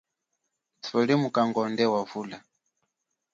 Thuli mukangonde wa vula.